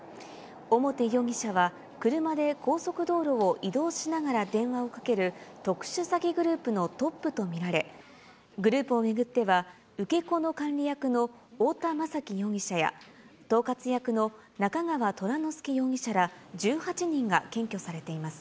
表容疑者は、車で高速道路を移動しながら電話をかける特殊詐欺グループのトップと見られ、グループを巡っては、受け子の管理役の太田雅揮容疑者や、統括役の中川虎乃輔容疑者ら、１８人が検挙されています。